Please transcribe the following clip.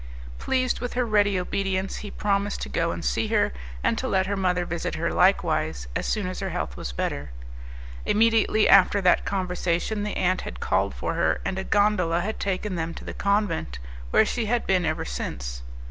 Pleased with her ready obedience he promised to go and see her, and to let his mother visit her likewise, as soon as her health was better. Immediately after that conversation the aunt had called for her, and a gondola had taken them to the convent, where she had been ever since.